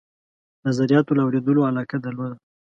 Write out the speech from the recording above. نظریاتو له اورېدلو علاقه درلوده.